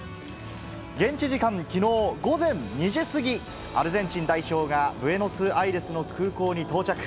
現地時間きのう午前２時過ぎ、アルゼンチン代表がブエノスアイレスの空港に到着。